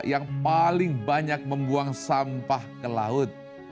yang paling banyak membuang sampah ke laut